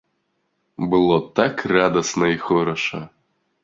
Было так радасна і хораша!